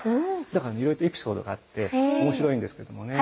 だからいろいろとエピソードがあって面白いんですけどもね。